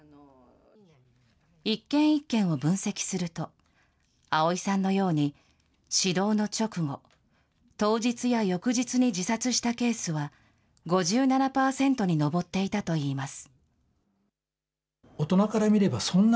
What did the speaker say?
一件一件を分析すると、碧さんのように指導の直後、当日や翌日に自殺したケースは、５７％に上っていたといいます。